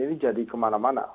ini jadi kemana mana